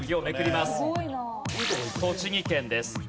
栃木県です。